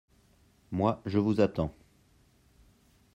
Moi, je vous attends.